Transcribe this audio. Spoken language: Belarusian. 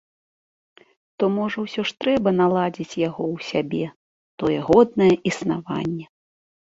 То можа ўсё ж трэба наладзіць яго ў сябе, тое годнае існаванне?